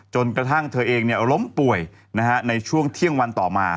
จนกระทั่งเธอเองล้มป่วยในช่วงเที่ยงวันต่อมา